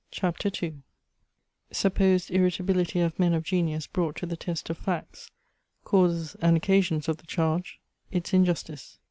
CHAPTER II Supposed irritability of men of genius brought to the test of facts Causes and occasions of the charge Its injustice.